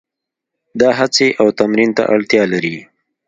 دا هڅې او تمرین ته اړتیا لري.